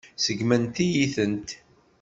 Seggment-iyi-tent.